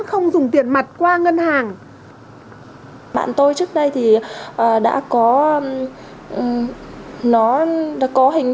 không dùng tiền mặt của khách hàng